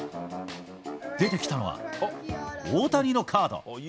出てきたのは大谷のカード。